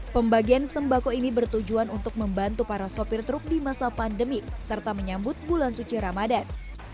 pembagian sembako ini bertujuan untuk membantu para sopir truk di masa pandemi serta menyambut bulan suci ramadan